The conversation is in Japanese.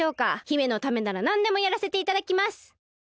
姫のためならなんでもやらせていただきます。